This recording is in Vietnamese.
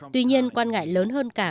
tuy nhiên quan ngại lớn hơn cả